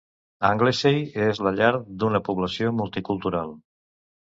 Anglesey és la llar d'una població multicultural.